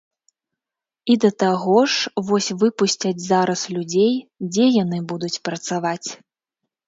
І да таго ж, вось выпусцяць зараз людзей, дзе яны будуць працаваць?